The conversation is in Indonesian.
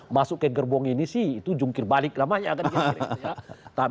masuk ke gerbong ini sih itu jungkir balik namanya